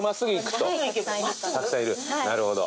なるほど。